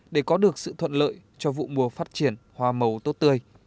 để có được sự thuận lợi cho vụ mùa phát triển hoa màu tốt tươi